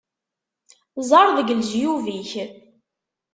Ẓer deg leǧyub-ik!